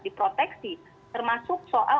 diproteksi termasuk soal